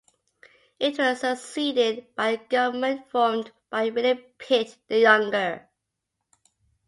It was succeeded by a government formed by William Pitt the Younger.